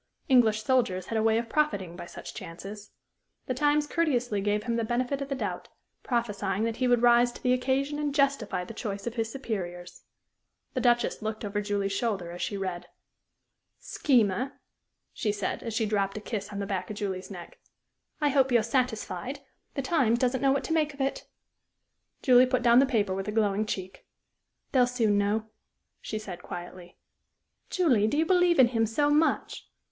English soldiers had a way of profiting by such chances. The Times courteously gave him the benefit of the doubt, prophesying that he would rise to the occasion and justify the choice of his superiors. The Duchess looked over Julie's shoulder as she read. "Schemer," she said, as she dropped a kiss on the back of Julie's neck, "I hope you're satisfied. The Times doesn't know what to make of it." Julie put down the paper with a glowing cheek. "They'll soon know," she said, quietly. "Julie, do you believe in him so much?"